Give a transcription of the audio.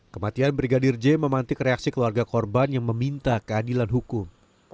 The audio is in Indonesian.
kematian brigadir j memantik reaksi keluarga korban yang meminta keadilan hukum